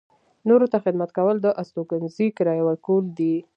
نورو ته خدمت کول د استوګنځي کرایه ورکول دي.